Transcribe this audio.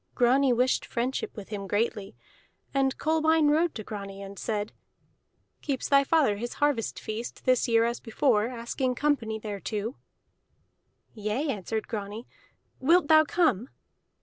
Grani wished friendship with him greatly. And Kolbein rode to Grani and said: "Keeps thy father his harvest feast this year as before, asking company thereto?" "Yea," answered Grani. "Wilt thou come?"